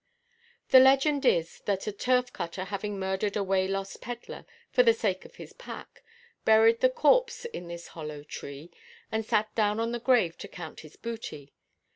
The legend is that a turf–cutter having murdered a waylost pedlar, for the sake of his pack, buried the corpse in this hollow tree, and sat down on the grave to count his booty.